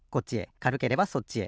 かるければそっちへ。